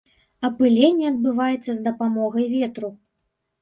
Апыленне адбываецца з дапамогай ветру.